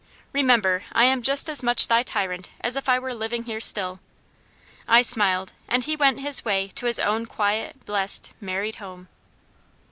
Remember, I am just as much thy tyrant as if I were living here still." I smiled, and he went his way to his own quiet, blessed, married home.